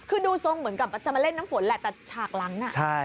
คือดูทรงเหมือนกับจะมาเล่นน้ำฝนแหละแต่ฉากหลังน่ะใช่